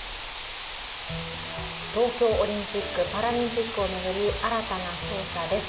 東京オリンピック・パラリンピックを巡り新たな捜査です。